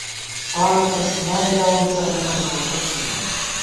ݭاڑہ تہ ݭُنائے گاوون څَلَکا زاتک ݫمېت